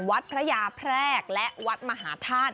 วัดพระยาแพรกและวัดมหาธาตุ